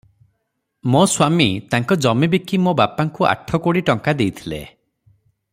ମୋ ସ୍ୱାମୀ ତାଙ୍କ ଜମି ବିକି ମୋ ବାପାଙ୍କୁ ଆଠ କୋଡ଼ି ଟଙ୍କା ଦେଇଥିଲେ ।